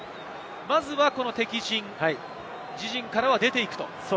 まずは敵陣、自陣からは出ていく。